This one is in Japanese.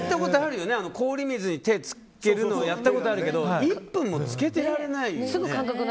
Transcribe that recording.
氷水に手を付けるのはやったことあるけど１分も付けてられないよ。